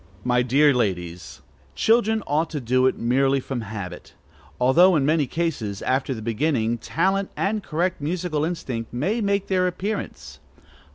My dear ladies, children ought to do it merely from habit, although in many cases, after the beginning, talent and correct musical instinct may make their appearance.